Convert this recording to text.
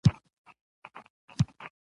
صلاح الدین ته یې لیک واستاوه.